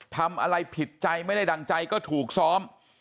ทำอะไรผิดใจไม่ได้ดั่งใจก็ถูกซ้อม